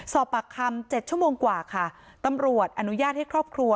สอบปากคำเจ็ดชั่วโมงกว่าค่ะตำรวจอนุญาตให้ครอบครัว